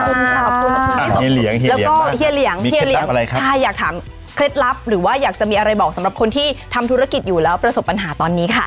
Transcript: ขอบคุณค่ะแล้วก็เฮียเหลียงเฮียเหลียใช่อยากถามเคล็ดลับหรือว่าอยากจะมีอะไรบอกสำหรับคนที่ทำธุรกิจอยู่แล้วประสบปัญหาตอนนี้ค่ะ